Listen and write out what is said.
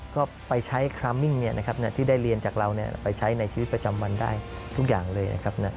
ก็ไปใช้ครามมิ่งที่ได้เรียนจากเราไปใช้ในชีวิตประจำวันได้ทุกอย่างเลยนะครับ